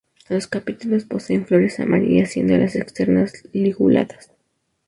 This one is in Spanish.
Los capítulos poseen flores amarillas, siendo las externas liguladas.